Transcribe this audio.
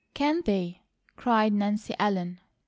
"Can they?" cried Nancy Ellen.